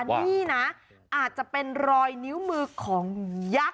นี่นะอาจจะเป็นรอยนิ้วมือของยักษ์